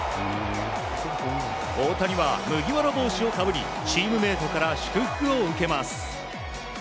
大谷は麦わら帽子をかぶりチームメートから祝福を受けます。